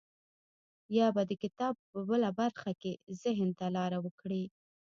يا به د کتاب په بله برخه کې ذهن ته لاره وکړي.